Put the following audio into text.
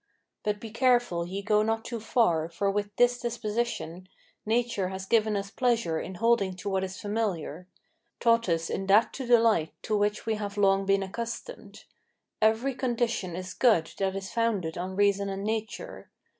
But be careful ye go not too far, for with this disposition Nature has given us pleasure in holding to what is familiar; Taught us in that to delight to which we have long been accustomed. Every condition is good that is founded on reason and nature.